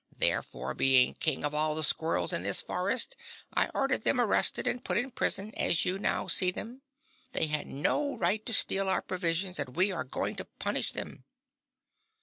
Therefore, being King of all the Squirrels in this forest, I ordered them arrested and put in prison, as you now see them. They had no right to steal our provisions and we are going to punish them."